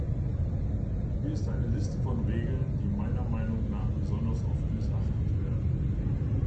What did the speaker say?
Hier ist eine Liste von Regeln, die meiner Meinung nach besonders oft missachtet werden.